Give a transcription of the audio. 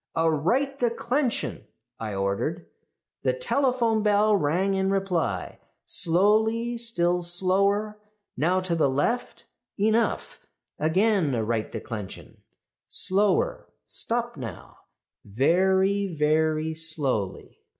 "'A right declension,' I ordered. "The telephone bell rang in reply. 'Slowly, still slower; now to the left enough; again a right declension slower; stop now very, very slowly.